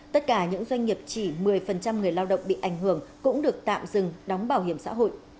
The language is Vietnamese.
tất cả những doanh nghiệp chỉ một mươi người lao động bị ảnh hưởng cũng được tạm dừng đóng bảo hiểm xã hội